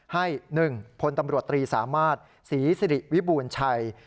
ให้๑พลตำรวจตรีสามารถศรีสิริวิบูรณ์ชัย